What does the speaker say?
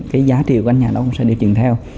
cái giá trị của các nhà nó cũng sẽ điều chỉnh theo